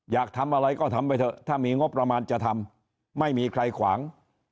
อยากทำอะไรก็ทำไปเถอะถ้ามีงบประมาณจะทำไม่มีใครขวาง